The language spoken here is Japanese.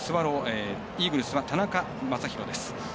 イーグルスは田中将大です。